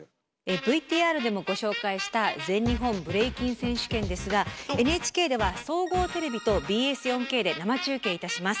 ＶＴＲでもご紹介した「全日本ブレイキン選手権」ですがＮＨＫでは総合テレビとＢＳ４Ｋで生中継いたします。